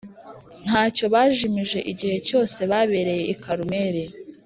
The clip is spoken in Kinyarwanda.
nta cyo bajimije igihe cyose babereye i Karumeli,